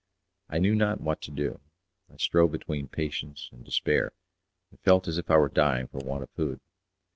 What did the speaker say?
I knew not what to do. I strove between patience and despair, and felt as if I were dying for want of food.